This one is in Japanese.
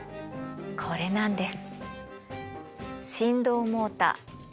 これなんです。